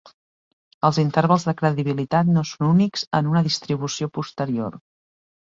Els intervals de credibilitat no són únics en una distribució posterior.